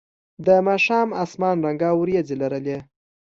د ماښام اسمان رنګه ورېځې لرلې.